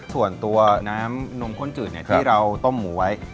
ส่วนตัวน้ำนมข้นจืดที่เราต้มหมูไว้